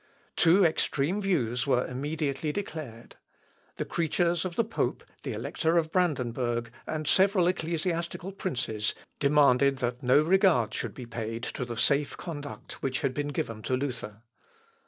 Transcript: Two extreme views were immediately declared. The creatures of the pope, the Elector of Brandenburg, and several ecclesiastical princes, demanded that no regard should be paid to the safe conduct which had been given to Luther.